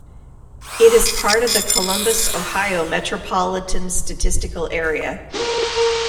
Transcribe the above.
It is a part of the Columbus, Ohio Metropolitan Statistical Area.